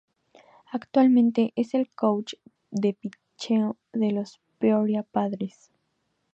Actualmente es el coach de pitcheo de los "Peoria Padres".